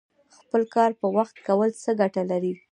خپل کار په وخت کول څه ګټه لري؟